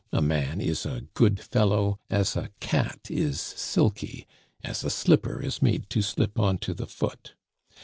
A man is a good fellow, as a cat is silky, as a slipper is made to slip on to the foot.